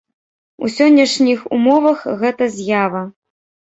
У сённяшніх умовах гэта з'ява.